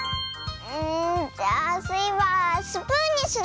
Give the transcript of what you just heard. うんじゃあスイはスプーンにする！